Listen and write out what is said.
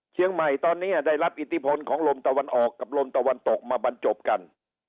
เชียงใหม่ตอนนี้ได้รับอิทธิพลของลมตะวันออกกับลมตะวันตกมาบรรจบกัน